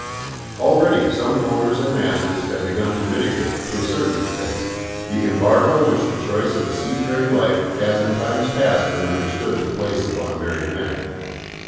Already some owners and masters have begun to mitigate, to a certain extent, the embargo which the choice of a sea faring life has in times past been understood to place upon married men.